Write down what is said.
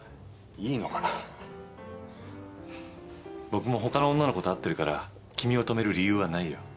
僕も他の女の子と会ってるから君を止める理由はないよ。